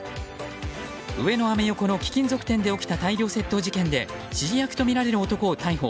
上野・アメ横の貴金属店で起きた大量窃盗事件で指示役とみられる男を逮捕。